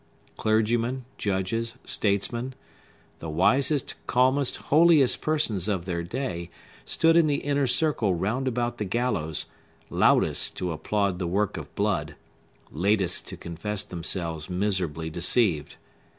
Clergymen, judges, statesmen,—the wisest, calmest, holiest persons of their day stood in the inner circle round about the gallows, loudest to applaud the work of blood, latest to confess themselves miserably deceived.